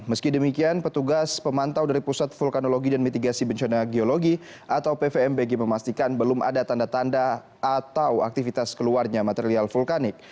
meski demikian petugas pemantau dari pusat vulkanologi dan mitigasi bencana geologi atau pvmbg memastikan belum ada tanda tanda atau aktivitas keluarnya material vulkanik